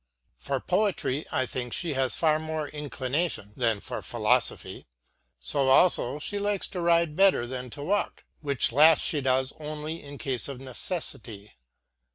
For poetry, I think, she has far more inclination than for philosophy; so also she likes to ride better than to walk, which last she does only in case of necessity.